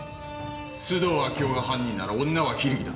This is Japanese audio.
須藤明代が犯人なら女は非力だ。